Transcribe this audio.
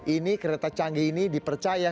ini kereta canggih ini dipercaya